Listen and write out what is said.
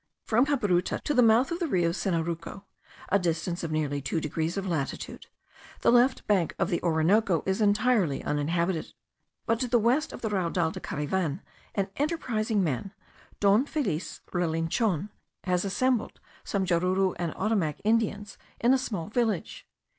From Cabruta to the mouth of the Rio Sinaruco, a distance of nearly two degrees of latitude, the left bank of the Orinoco is entirely uninhabited; but to the west of the Raudal de Cariven an enterprising man, Don Felix Relinchon, had assembled some Jaruro and Ottomac Indians in a small village.